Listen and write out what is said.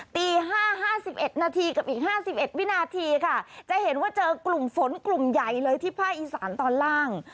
ตีห้าห้าสิบเอ็ดนาทีกับอีกห้าสิบเอ็ดวินาทีค่ะจะเห็นว่าเจอกลุ่มฝนกลุ่มใหญ่เลยที่ภาคอีสานตอนล่าง